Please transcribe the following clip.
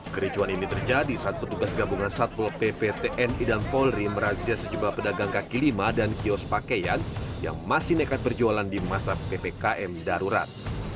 kericuan ini terjadi saat petugas gabungan satpol pp tni dan polri merazia sejumlah pedagang kaki lima dan kios pakaian yang masih nekat berjualan di masa ppkm darurat